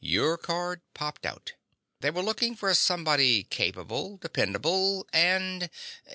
Your card popped out. They were looking for somebody capable, dependable ... and